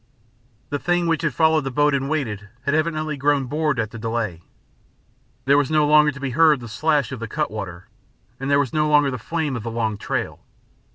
The thing which had followed the boat and waited, had evidently grown bored at the delay. There was no longer to be heard the slash of the cut water, and there was no longer the flame of the long trail.